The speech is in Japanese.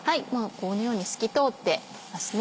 このように透き通ってますね。